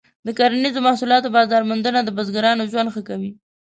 د کرنیزو محصولاتو بازار موندنه د بزګرانو ژوند ښه کوي.